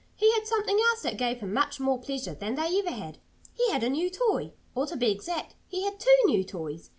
He had something else that gave him much more pleasure than they ever had. He had a new toy. Or to be exact, he had two new toys.